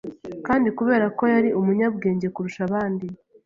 kandi kubera ko yari Umunyabwenge kurusha abandi